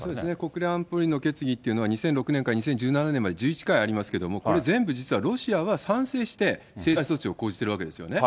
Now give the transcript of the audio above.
国連安保理の決議というのは、２００６年から２０１７年まで１１回ありますけれども、これ、全部、実はロシアが賛成して制裁措置を講じているわけですよね。